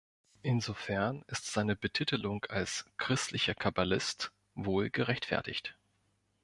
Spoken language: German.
Insofern ist seine Betitelung als „christlicher Kabbalist“ wohl gerechtfertigt.